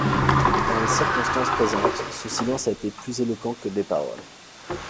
Dans les circonstances présentes, ce silence a été plus éloquent que les paroles.